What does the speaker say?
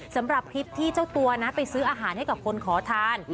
สำหรับคลิปที่เจ้าตัวนะไปซื้ออาหารให้กับคนขอทาน